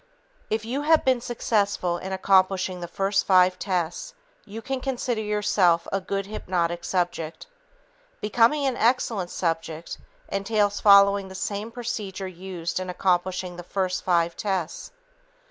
If you have been successful in accomplishing the first five tests, you can consider yourself a good hypnotic subject. Becoming an excellent subject entails following the same procedure used in accomplishing the first five tests.